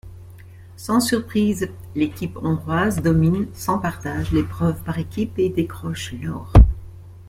Sans surprise, l'équipe hongroise domine sans partage l'épreuve par équipes et décroche l'or.